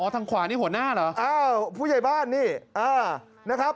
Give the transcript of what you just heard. ทางขวานี่หัวหน้าเหรออ้าวผู้ใหญ่บ้านนี่เออนะครับ